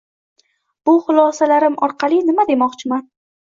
Bu xulosalarim orqali nima demoqchiman